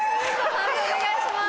判定お願いします。